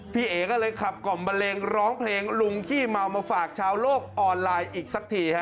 เอ๋ก็เลยขับกล่อมบันเลงร้องเพลงลุงขี้เมามาฝากชาวโลกออนไลน์อีกสักทีฮะ